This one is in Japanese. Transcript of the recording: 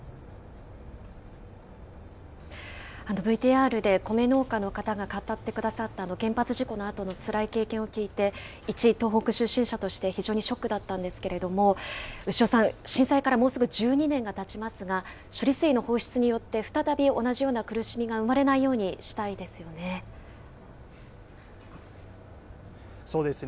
ＶＴＲで米農家の方が語ってくださった原発事故のあとのつらい経験を聞いて、一東北出身者として、非常にショックだったんですけれども、潮さん、震災からもうすぐ１２年がたちますが、処理水の放出によって、再び同じような苦しみが生まれないようにしたいですよね。